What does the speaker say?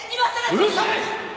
うるさい！！